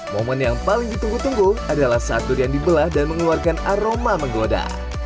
momen yang paling ditunggu tunggu adalah saat durian dibelah dan mengeluarkan aroma menggoda